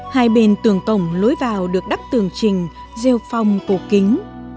hai bên tường cổng lối vào được đắp tường trình rêu phong cổ kính